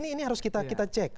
ini harus kita cek